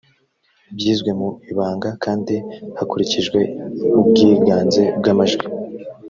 byizwe mu ibanga kandi hakurikije ubwiganze bw’amajwi